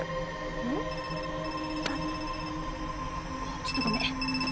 あっちょっとごめん。